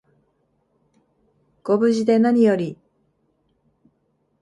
ご無事でなにより